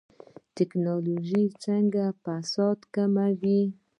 ټکنالوژي څنګه فساد کموي؟